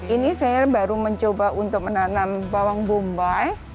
ini saya baru mencoba untuk menanam bawang bombay